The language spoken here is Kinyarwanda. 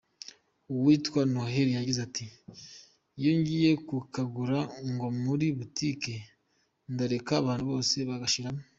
Uwitwa Noheli yagize ati "Iyo ngiye kukagura nko muri butike ndareka abantu bose bagashiramo.